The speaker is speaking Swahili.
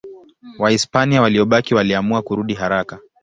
Wahispania waliobaki waliamua kurudi haraka.